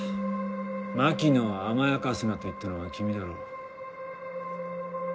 「槙野を甘やかすな」と言ったのは君だろう？